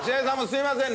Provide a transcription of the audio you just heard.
すみません。